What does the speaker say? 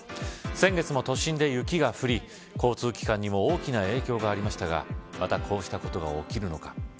先月も都心で雪が降り交通機関にも大きな影響がありましたがまたこうしたことが起きるのか。